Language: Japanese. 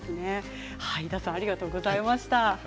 井田さんありがとうございました。